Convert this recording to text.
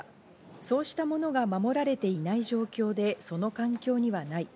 そうしたものが守られていない状況でその環境にはない。